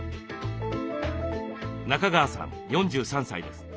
中川さん４３歳です。